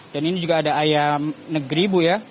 dan ini juga ada ayam negeri bu ya